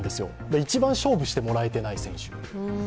一番勝負してもらえてない選手。